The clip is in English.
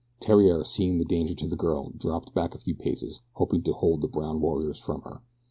Theriere, seeing the danger to the girl, dropped back a few paces hoping to hold the brown warriors from her.